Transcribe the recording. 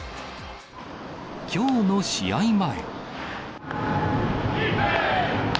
きょうの試合前。